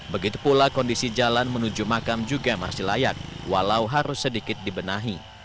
begitu pula kondisi jalan menuju makam juga masih layak walau harus sedikit dibenahi